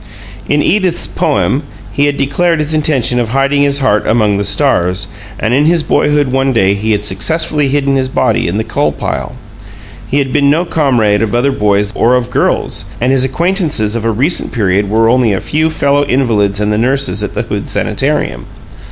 In "Edith's" poem he had declared his intention of hiding his heart "among the stars"; and in his boyhood one day he had successfully hidden his body in the coal pile. He had been no comrade of other boys or of girls, and his acquaintances of a recent period were only a few fellow invalids and the nurses at the Hood Sanitarium.